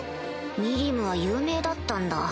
ミリムは有名だったんだ